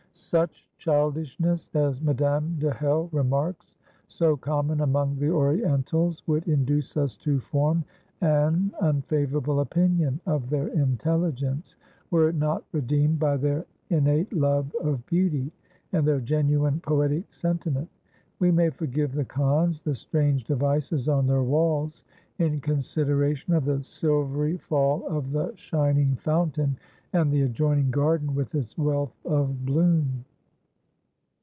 "Such childishness," as Madame de Hell remarks, "so common among the Orientals, would induce us to form an unfavourable opinion of their intelligence, were it not redeemed by their innate love of beauty and their genuine poetic sentiment. We may forgive the Khans the strange devices on their walls in consideration of the silvery fall of the shining fountain and the adjoining garden with its wealth of bloom."